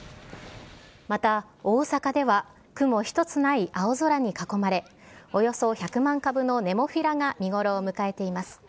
また大阪では、雲一つない青空に囲まれ、およそ１００万株のネモフィラが見ごろを迎えています。